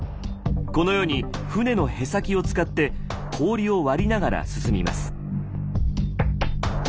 このように船のへさきを使って氷を割りながら進みます。